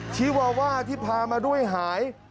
ชีวาว่าที่พามาด้วยหาย